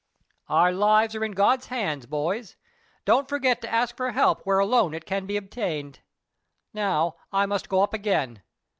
"Our lives are in God's hands, boys; don't forget to ask for help where alone it can be obtained. Now I must go up again.